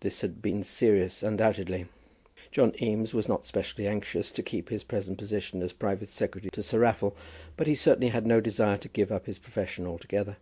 This had been serious undoubtedly. John Eames was not specially anxious to keep his present position as private secretary to Sir Raffle, but he certainly had no desire to give up his profession altogether.